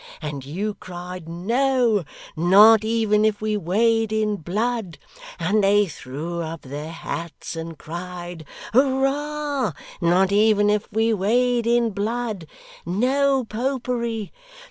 and you cried "No; not even if we wade in blood," and they threw up their hats and cried "Hurrah! not even if we wade in blood; No Popery!